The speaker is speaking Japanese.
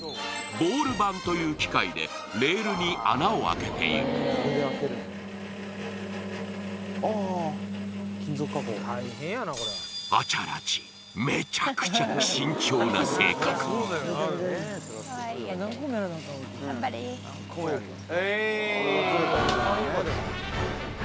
ボール盤という機械でレールに穴を開けていくアチャラチウェーイ枕木になります